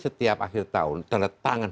setiap akhir tahun terletangan